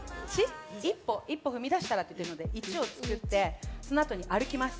１、一歩踏み出したらってことで１を作って、そのあと歩きます。